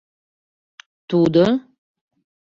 — Тудо?